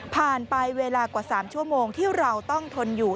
ไปเวลากว่า๓ชั่วโมงที่เราต้องทนอยู่